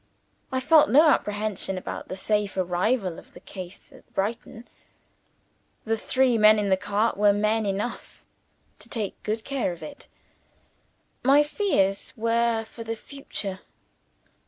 I felt no apprehension about the safe arrival of the case at Brighton; the three men in the cart were men enough to take good care of it. My fears were for the future.